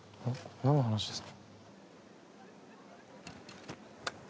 なんの話ですか。